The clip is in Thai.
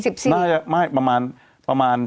๑๐สิบเหรอใช่ประมาณ